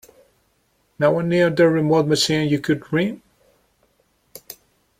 No one near the remote machine you could ring?